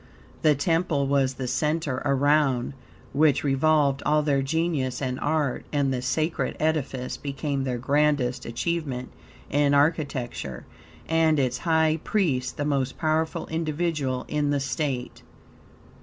The temple was the center around which revolved all their genius and art, and the sacred edifice became their grandest achievement in architecture, and its high priest the most powerful individual in the state.